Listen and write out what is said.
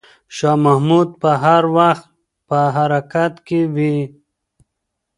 شاه محمود به هر وخت په حرکت کې وي.